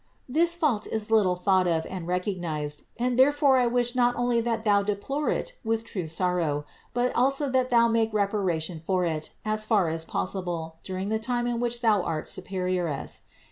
This fault is little thought of and recognized, and therefore I wish not only that thou deplore it with true sorrow, but also that thou make reparation for it as far as possible during the time in which thou art superioress.